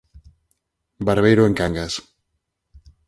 Barbeiro en Cangas.